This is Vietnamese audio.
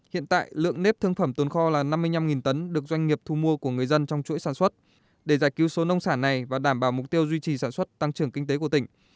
hiện tại lượng nếp thương phẩm tồn kho là năm mươi năm tấn được doanh nghiệp thu mua của người dân trong chuỗi sản xuất để giải cứu số nông sản này và đảm bảo mục tiêu duy trì sản xuất tăng trưởng kinh tế của tỉnh